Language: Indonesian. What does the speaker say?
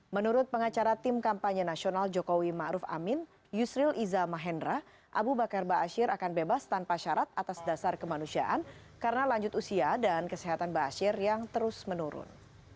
menurut pengacara tim kampanye nasional jokowi ma'ruf amin yusril iza mahendra abu bakar ba'asyir akan bebas tanpa syarat atas dasar kemanusiaan karena lanjut usia dan kesehatan ba'asyir yang terus menurun